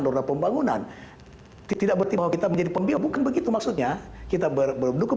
lorna pembangunan tidak berarti mau kita menjadi pembiaya bukan begitu maksudnya kita berdukung